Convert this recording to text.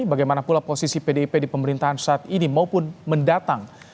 bagaimana pula posisi pdip di pemerintahan saat ini maupun mendatang